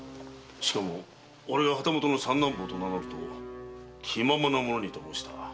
しかも俺が「旗本の三男坊」と名乗ると「気ままな者」と申した。